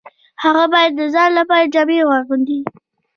هغه باید د ځان لپاره جامې واغوندي